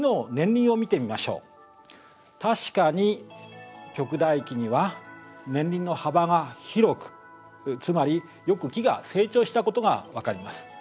確かに極大期には年輪の幅が広くつまりよく木が成長したことが分かります。